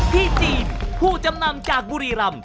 ที่จีนผู้จำนำจากบุรีรำ